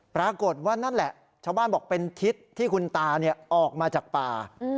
ปรากฏว่านั่นแหละชาวบ้านบอกเป็นทิศที่คุณตาออกมาจากป่า